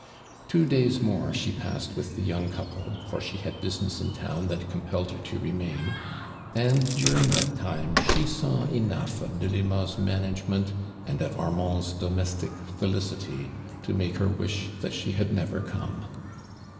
Two days more she passed with the youn;; couple, for she ha<l business in town that compelled her to i emain, and during that time she saw eno«gli of j^fdima's manage ment and of Armand's domestic felicity to make her wisli that slie ha<l never come.